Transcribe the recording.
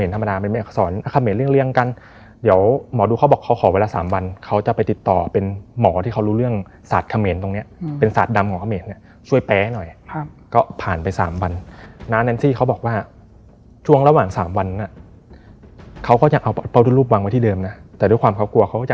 แต่มันไม่ใช่อักษรเขมรธรรมดา